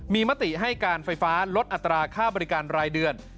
มีมติให้การไฟฟ้าลดอัตราค่าบริการรายเดือน